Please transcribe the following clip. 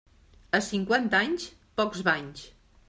A cinquanta anys, pocs banys.